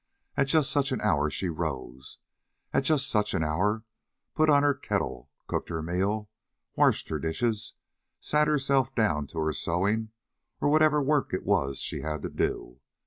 At just such an hour she rose; at just such an hour put on her kettle, cooked her meal, washed her dishes, and sat herself down to her sewing or whatever work it was she had to do.